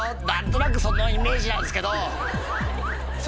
何となくそのイメージなんですけど」。